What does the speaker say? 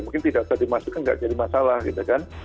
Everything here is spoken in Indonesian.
mungkin tidak bisa dimasukkan tidak jadi masalah gitu kan